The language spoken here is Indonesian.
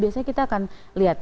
biasanya kita akan lihat